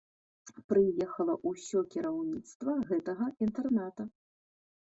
Прыехала ўсё кіраўніцтва гэтага інтэрната.